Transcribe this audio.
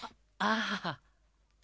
「ああ」